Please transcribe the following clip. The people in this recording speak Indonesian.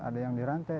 ada yang dirantai